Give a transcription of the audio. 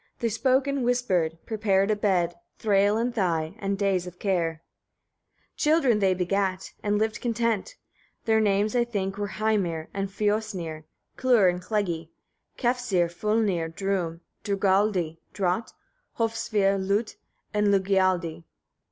They spoke and whispered, prepared a bed, Thræl and Thy, and days of care. 12. Children they begat, and lived content: Their names, I think, were Hreimr and Fiosnir, Klur and Kleggi, Kefsir, Fulnir, Drumb, Digraldi, Drott and Hosvir, Lut and Leggialdi.